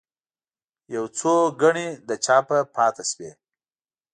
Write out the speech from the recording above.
یو څو ګڼې له چاپه پاتې شوې.